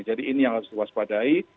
jadi ini yang harus diwaspadai